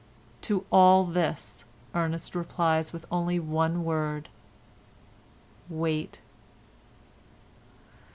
To all this Ernest replies with one word only—"Wait."